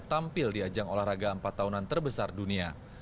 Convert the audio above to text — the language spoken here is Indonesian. tampil di ajang olahraga empat tahunan terbesar dunia